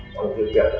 còn điều kiện là